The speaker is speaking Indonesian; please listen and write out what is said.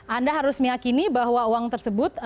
anda harus meyakini bahwa uang tersebut